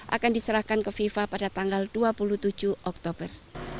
akan diserahkan ke fifa pada tanggal dua puluh tujuh oktober